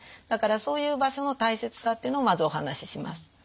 だからそういう場所の大切さっていうのをまずお話しします。